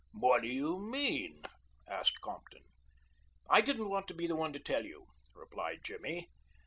"What do you mean?" asked Compton. "I didn't want to be the one to tell you," replied Jimmy.